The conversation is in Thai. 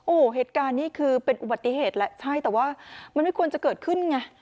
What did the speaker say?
โอ้โหเหตุการณ์นี้คือเป็นอุบัติเหตุแหละใช่แต่ว่ามันไม่ควรจะเกิดขึ้นไง